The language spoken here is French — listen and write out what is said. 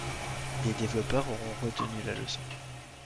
Les développeurs auront retenu la leçon.